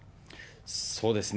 そうですね。